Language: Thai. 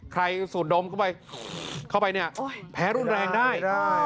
ใครสูดดมก็ไปเข้าไปเนี่ยแพ้รุ่นแรงได้